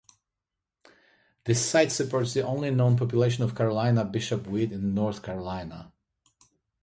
This site supports the only known population of Carolina Bishop Weed in North Carolina.